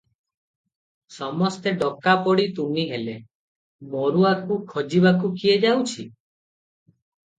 ସମସ୍ତେ ଡକା ପଡ଼ି ତୁନି ହେଲେ, ମରୁଆକୁ ଖୋଜିବାକୁ କିଏ ଯାଉଛି?